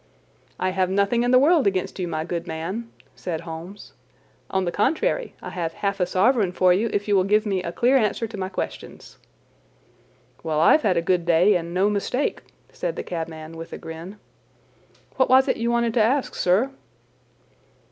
"I have nothing in the world against you, my good man," said Holmes. "On the contrary, I have half a sovereign for you if you will give me a clear answer to my questions." "Well, I've had a good day and no mistake," said the cabman with a grin. "What was it you wanted to ask, sir?"